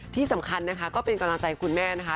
ที่สำคัญนะคะก็เป็นกำลังใจคุณแม่นะคะ